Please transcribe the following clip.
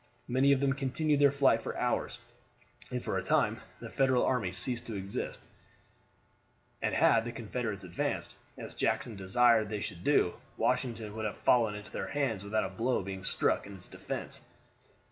Many of them continued their flight for hours, and for a time the Federal army ceased to exist; and had the Confederates advanced, as Jackson desired that they should do, Washington would have fallen into their hands without a blow being struck in its defense.